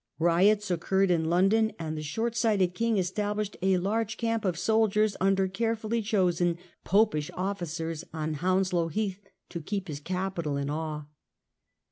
Riots occurred in London, and the short sighted king established a large camp of soldiers under carefully chosen Popish officers on Hounslow Heath to keep his capital in awe.